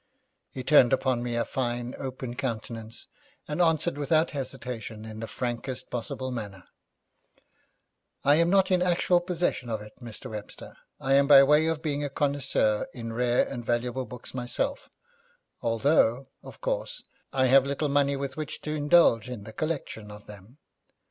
He turned upon me a fine, open countenance, and answered without hesitation in the frankest possible manner, 'I am not in actual possession of it, Mr. Webster. I am by way of being a connoisseur in rare and valuable books myself, although, of course, I have little money with which to indulge in the collection of them.